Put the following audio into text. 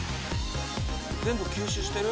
・全部吸収してる？